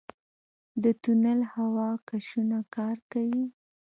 د تونل هوا کشونه کار کوي؟